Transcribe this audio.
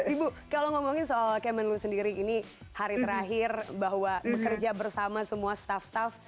ibu kalau ngomongin soal kemenlu sendiri ini hari terakhir bahwa bekerja bersama semua staff staff